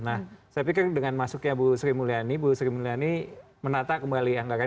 nah saya pikir dengan masuknya bu sri mulyani bu sri mulyani menata kembali anggaran